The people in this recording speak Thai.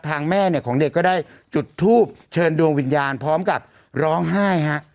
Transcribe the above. แม่เนี่ยของเด็กก็ได้จุดทูบเชิญดวงวิญญาณพร้อมกับร้องไห้ฮะ